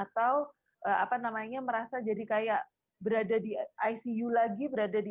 kesedihan atau merasa jadi kayak berada di icu lagi